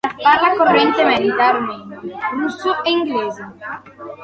Parla correntemente armeno, russo e inglese.